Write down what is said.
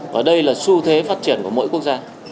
và đây là xu thế phát triển của mỗi quốc gia